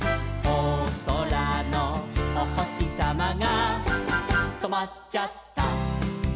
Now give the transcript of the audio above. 「おそらのおほしさまがとまっちゃった」